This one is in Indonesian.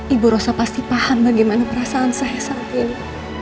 ibu rosa pasti paham bagaimana perasaan saya saat ini